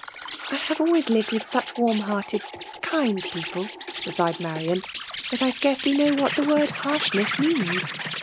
.."I have always lived with such warm hearted, kind people," replied Marian, " that I scarcely know what the word harshness means.